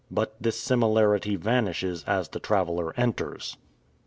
But this similarity vanishes as the traveler enters.